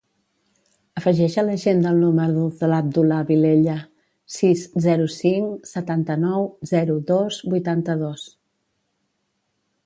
Afegeix a l'agenda el número de l'Abdullah Vilella: sis, zero, cinc, setanta-nou, zero, dos, vuitanta-dos.